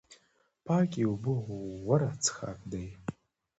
پاکې اوبه غوره څښاک دی